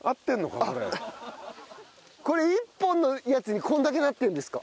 これ１本のやつにこれだけなってるんですか？